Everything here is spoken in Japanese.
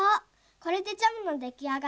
これでジャムのできあがりね。